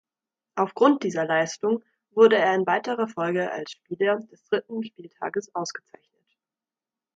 Aufgrund dieser Leistung wurde er in weiterer Folge als Spieler des dritten Spieltages ausgezeichnet.